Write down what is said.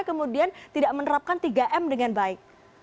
kemudian tidak menerapkan tiga m dengan baik